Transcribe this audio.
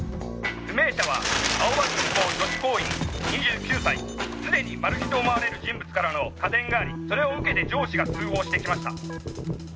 「不明者は青葉銀行女子行員２９歳」「すでにマル被と思われる人物からの架電がありそれを受けて上司が通報してきました」